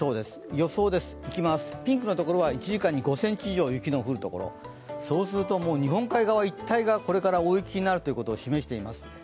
予想です、ピンクのところは１時間に５ｃｍ以上雪の降るところ、そうすると、日本海側一帯がこれから大雪になるということを示しています。